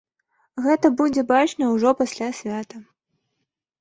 Гэта будзе бачна ўжо пасля свята.